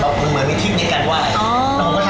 บอกมันเหมือนมีที่มีการไหว้